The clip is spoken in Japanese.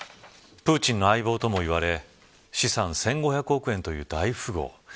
プーチンの相棒ともいわれ資産１５００億円という大富豪。